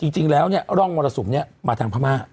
จริงแล้วร่องมรสุมมาทางพม่า